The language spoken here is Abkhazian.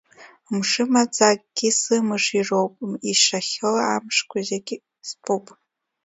Мшы маӡакгьы сымыш ироуп, ишахьоу амшқәа зегь стәуп.